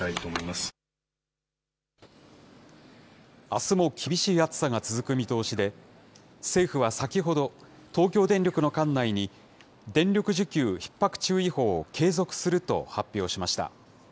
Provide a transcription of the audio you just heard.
あすも厳しい暑さが続く見通しで、政府は先ほど、東京電力の管内に、電力需給ひっ迫注意報を継続すると発表しました。